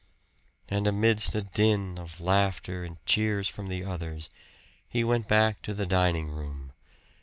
And amidst a din of laughter and cheers from the others, he went back to the dining room.